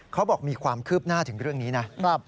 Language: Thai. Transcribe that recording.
เขาบอกมีความคืบหน้าถึงเรื่องนี้นะ